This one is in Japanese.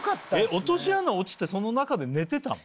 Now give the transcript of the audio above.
落とし穴落ちてその中で寝てたの？